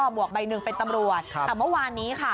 หวกใบหนึ่งเป็นตำรวจแต่เมื่อวานนี้ค่ะ